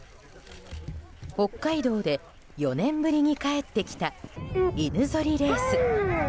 北海道で４年ぶりに帰ってきた犬ぞりレース。